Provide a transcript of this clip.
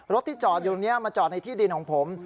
ที่จอดอยู่ตรงนี้มาจอดในที่ดินของผม